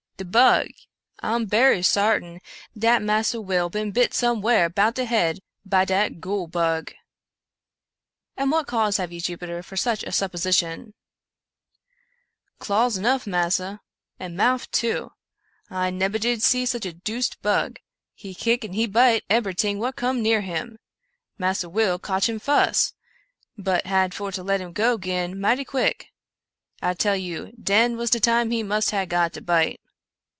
" De bug — I'm berry sartin dat Massa Will bin bit some where 'bout de head by dat goole bug." 130 Edzar Allan Poe *i> " And what cause have you, Jupiter, for such a sup position ?"" Claws enuff, massa, and mouff, too. I nebber did see sich a deuced bug — he kick and he bite eberyting what cum near him. Massa Will cotch him fuss, but had for to let him go 'gin mighty quick, I tell you — den was de time he must ha' got de bite.